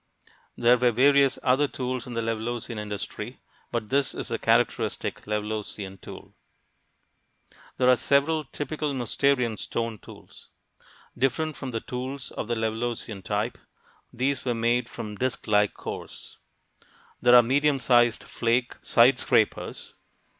There were various other tools in a Levalloisian industry, but this is the characteristic Levalloisian tool. There are several "typical Mousterian" stone tools. Different from the tools of the Levalloisian type, these were made from "disc like cores." There are medium sized flake "side scrapers."